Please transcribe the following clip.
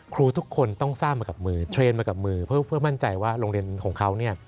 ครูทุกคนต้องสร้างมากับมือเทรนด์มากับมือเพื่อมั่นใจว่าโรงเรียนของเขาเนี่ย